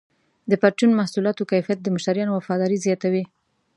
د پرچون محصولاتو کیفیت د مشتریانو وفاداري زیاتوي.